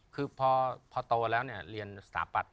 คือพอโตแล้วเนี่ยเรียนสถาบัติ